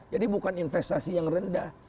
jadi bukan investasi yang rendah